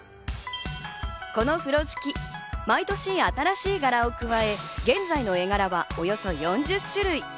この風呂敷、毎年新しい柄を加え、現在の絵柄はおよそ４０種類。